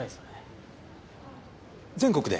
全国で？